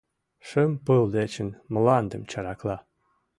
Шем пыл дечын мландым чаракла.